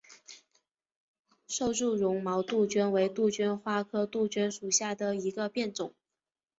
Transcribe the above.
瘦柱绒毛杜鹃为杜鹃花科杜鹃属下的一个变种。